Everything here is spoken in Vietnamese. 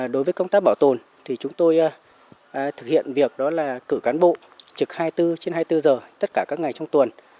đối với công tác bảo tồn chúng tôi thực hiện việc cử cán bộ trực hai mươi bốn trên hai mươi bốn giờ tất cả các ngày trong tuần